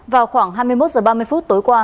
vào khoảng hai mươi một h ba mươi phút tối qua